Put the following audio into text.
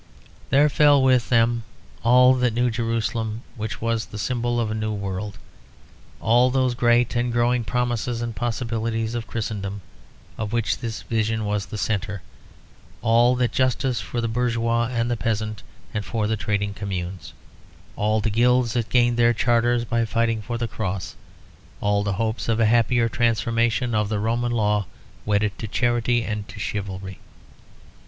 There fell with them all that New Jerusalem which was the symbol of a new world, all those great and growing promises and possibilities of Christendom of which this vision was the centre, all that "justice for the bourgeois and the peasant, and for the trading communes," all the guilds that gained their charters by fighting for the Cross, all the hopes of a happier transformation of the Roman Law wedded to charity and to chivalry.